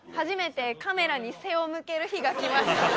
初めてカメラに背を向ける日が来ました。